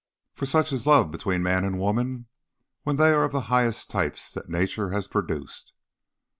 For of such is love between man and woman when they are of the highest types that Nature has produced.